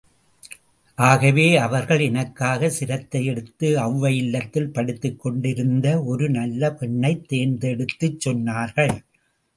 ஆகவே அவர்கள் எனக்காக சிரத்தை எடுத்து ஒளவை இல்லத்தில் படித்துக் கொண்டிருந்த ஒரு நல்ல பெண்ணைத் தேர்ந்தெடுத்துச் சொன்னார்கள்.